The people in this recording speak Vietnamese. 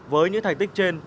với những thành tích trên